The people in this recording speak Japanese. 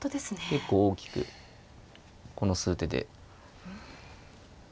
結構大きくこの数手で。